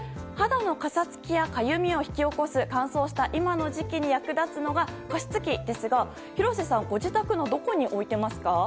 肌のかさつきやかゆみを引き起こす乾燥した今の時期に役立つのが加湿器ですが廣瀬さんご自宅のどこに置いていますか？